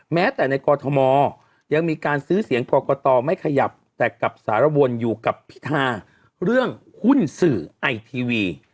แม้แต่ในกรทมยังมีการซื้อเสียงกรกตไม่ขยับแต่กับสารวนอยู่กับพิธาเรื่องหุ้นสื่อไอทีวี